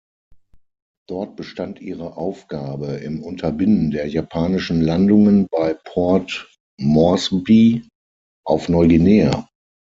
Dort bestand ihre Aufgabe im Unterbinden der japanischen Landungen bei Port Moresby auf Neuguinea.